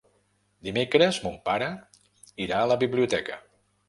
Dimecres mon pare irà a la biblioteca.